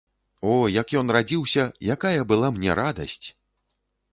О, як ён радзіўся, якая была мне радасць!